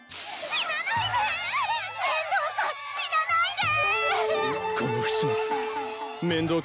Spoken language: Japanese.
死なないで！